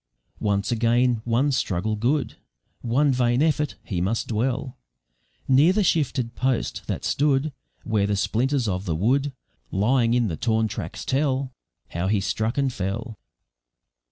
Once again, one struggle good, One vain effort; he must dwell Near the shifted post, that stood Where the splinters of the wood, Lying in the torn tracks, tell How he struck and fell.